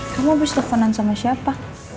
kamu abis telfonan sama siapa